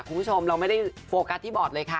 คุณผู้ชมเราไม่ได้โฟกัสที่บอร์ดเลยค่ะ